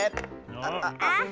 あっあっ。